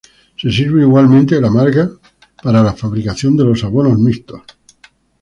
Se sirve igualmente de la marga para la fabricación de los abonos mixtos.